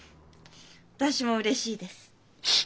私もうれしいです。